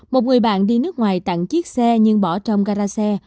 một người bạn đi nước ngoài tặng chiếc xe nhưng bỏ trong gara xe